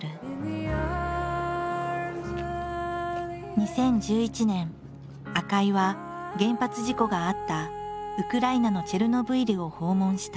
２０１１年赤井は原発事故があったウクライナのチェルノブイリを訪問した。